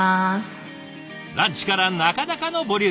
ランチからなかなかのボリューム。